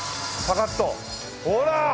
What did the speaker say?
ほら！